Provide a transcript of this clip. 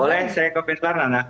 boleh saya komentar nana